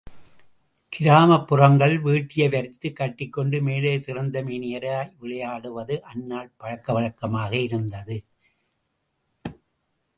கிராமப்புரங்களில் வேட்டியை வரிந்து கட்டிக்கொண்டு, மேலே திறந்த மேனியராய் விளையாடுவது அந்நாள் பழக்க வழக்கமாக இருந்து வந்தது.